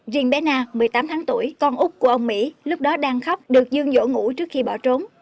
riêng bé na một mươi tám tháng tuổi con úc của ông mỹ lúc đó đang khóc được dương nhỗ ngủ trước khi bỏ trốn